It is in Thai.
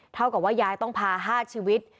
เท่ากับว่ายายต้องพา๕ชีวิต